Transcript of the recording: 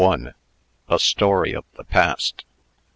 A STORY OF THE PAST.